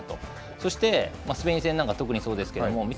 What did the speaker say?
そして、スペイン戦なんか特にそうですが三笘